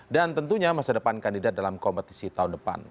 dan tentunya masa depan kandidat dalam kompetisi tahun depan